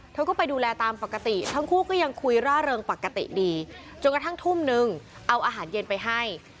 เธอก็ไปดูแลตามปกติทั้งคู่ก็ยังคุยร่าเริงปกติดีจนกระทั่งทุ่มนึงเอาอาหารเย็นไปให้